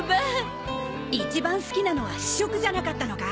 一番好きなのは「試食」じゃなかったのか？